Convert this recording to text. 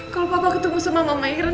kalau papa ketemu sama mama iran